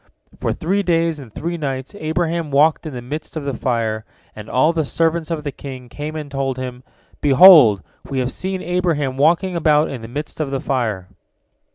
For three days and three nights Abraham walked in the midst of the fire, and all the servants of the king came and told him, "Behold, we have seen Abraham walking about in the midst of the fire."